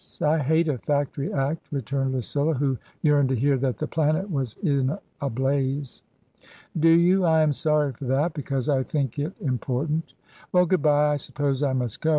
I hate a Factory Act," returned Lucilla, who yearned to hear that the planet was in a blaze. "Do you? I am sorry for that, because I think it important. Well, good bye. I suppose I must go.